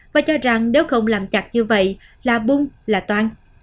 và cho rằng nếu không làm chặt như vậy là bung là toan